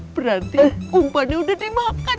berarti umpannya udah dimakan